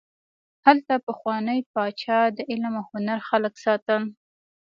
هلته پخواني پاچا د علم او هنر خلک ساتل.